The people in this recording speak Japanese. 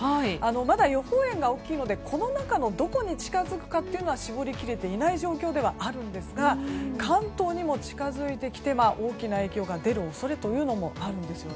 まだ予報円が大きいのでこの中のどこに近づくかは絞り切れていない状況なんですが関東にも近づいてきて大きな影響が出る恐れもあるんです。